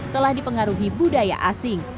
telah dipengaruhi budaya asing